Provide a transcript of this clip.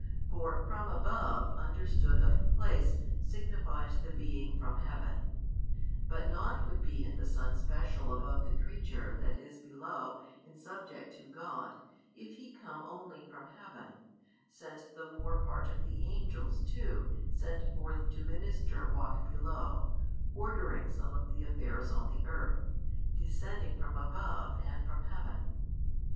For from above understood of place signifies the being from Heaven, but nought would be in the Son special above the creature that is below and subject to God, if He come only from Heaven, since the more part of the angels too sent forth to minister walk below, ordering some of the affairs on the earth, descending from above and from Heaven.